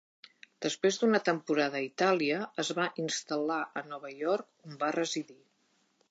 Després d’una temporada a Itàlia, es va instal·lar a Nova York on va residir.